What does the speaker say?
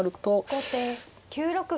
後手９六歩。